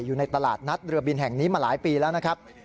อยู่ในตลาดนัดเรือบินแห่งนี้มาหลายปีแล้วนะครับ